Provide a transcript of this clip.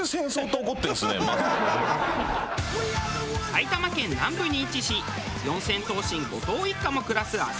埼玉県南部に位置し四千頭身後藤一家も暮らす朝霞。